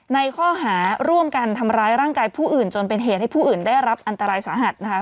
ในข้อหาร่วมกันทำร้ายร่างกายผู้อื่นจนเป็นเหตุให้ผู้อื่นได้รับอันตรายสาหัสนะคะ